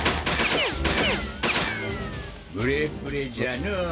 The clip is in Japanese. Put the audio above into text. ブレッブレじゃのう。